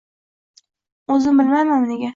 Oʻzim bilmayman nega?